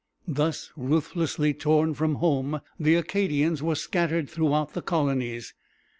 ] Thus ruthlessly torn from home, the Acadians were scattered throughout the colonies.